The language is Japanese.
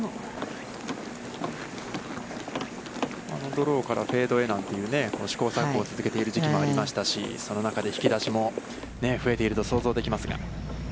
ドローからフェードなんていう、試行錯誤を続けている時期もありましたし、その中で引き出しも増えていると想像できますが。